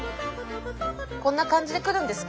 こんな感じで来るんですか？